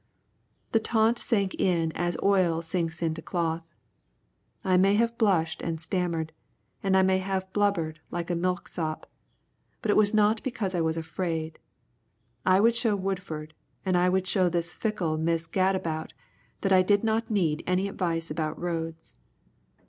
The taunt sank in as oil sinks into a cloth. I may have blushed and stammered, and I may have blubbered like a milksop, but it was not because I was afraid. I would show Woodford and I would show this fickle Miss Gadabout that I did not need any advice about roads.